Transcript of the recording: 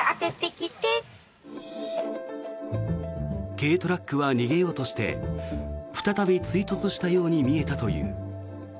軽トラックは逃げようとして再び追突したように見えたという。